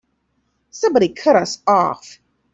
Somebody cut us off!